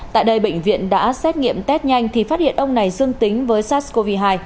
tại đây bệnh viện đã xét nghiệm test nhanh thì phát hiện ông này dương tính với sars cov hai